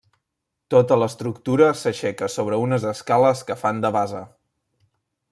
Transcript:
Tota l'estructura s'aixeca sobre unes escales que fan de base.